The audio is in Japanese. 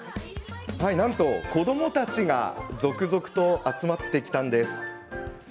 なんと子どもたちが続々と集まってきました。